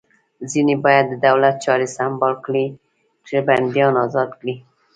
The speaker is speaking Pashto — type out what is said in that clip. ځینې باید د دولت چارې سمبال کړي چې بندیان ازاد کړي